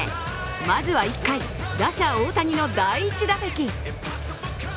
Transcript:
まずは１回、打者・大谷の第１打席。